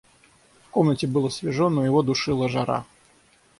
В комнате было свежо, но его душила жара.